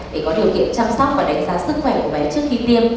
để có điều kiện chăm sóc và đánh giá sức khỏe của bé trước khi tiêm